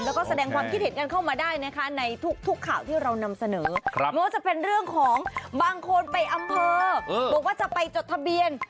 แล้วก็แสดงความคิดเห็นกันเข้ามาได้นะคะในทุกข่าวที่เรานำเสนอไม่ว่าจะเป็นเรื่องของบางคนไปอำเภอบอกว่าจะไปจดทะเบียน